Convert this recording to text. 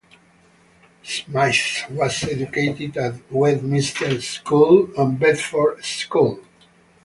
Smyth was educated at Westminster School and Bedford School.